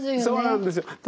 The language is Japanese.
そうなんですよ。